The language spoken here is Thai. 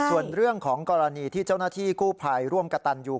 ส่วนเรื่องของกรณีที่เจ้าหน้าที่กู้ภัยร่วมกับตันยู